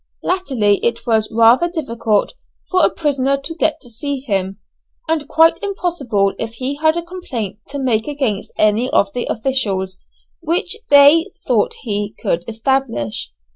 Latterly it was rather difficult for a prisoner to get to see him, and quite impossible if he had a complaint to make against any of the officials, which they thought he could establish.